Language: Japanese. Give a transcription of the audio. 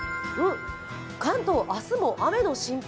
関東、明日も雨の心配。